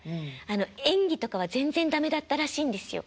演技とかは全然駄目だったらしいんですよ。